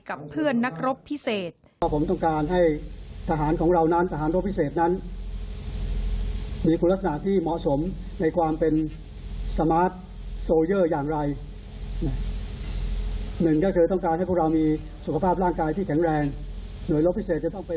กับเพื่อนนักรบพิเศษ